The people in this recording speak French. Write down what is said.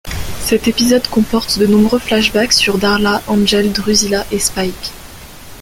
Cet épisode comporte de nombreux flashbacks sur Darla, Angel, Drusilla et Spike.